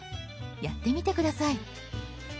やってみて下さい。